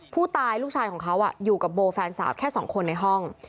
ลูกชายลูกชายของเขาอยู่กับโบแฟนสาวแค่สองคนในห้อง